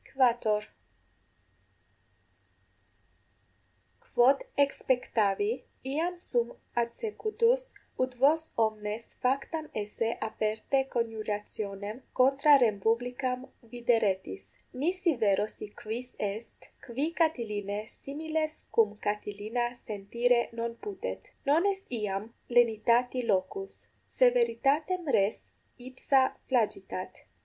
_ =4.= Quod exspectavi, iam sum adsecutus, ut vos omnes factam esse aperte coniurationem contra rem publicam videretis: nisi vero si quis est, qui Catilinae similes cum Catilina sentire non putet. Non est iam lenitati locus; severitatem res ipsa flagitat.